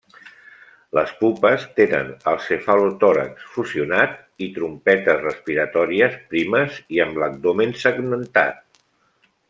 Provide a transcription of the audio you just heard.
Les pupes tenen el cefalotòrax fusionat i trompetes respiratòries primes i amb l'abdomen segmentat.